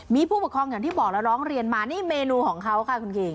มีผู้ปกครองอย่างที่บอกแล้วร้องเรียนมานี่เมนูของเขาค่ะคุณคิง